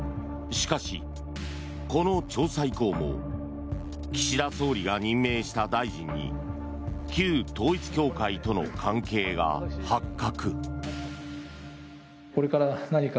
しかし、この調査以降も岸田総理が任命した大臣に旧統一教会との関係が発覚。